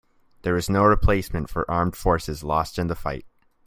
There was no replacement for armed forces lost in the fight.